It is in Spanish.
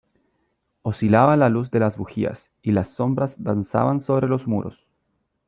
oscilaba la luz de las bujías , y las sombras danzaban sobre los muros .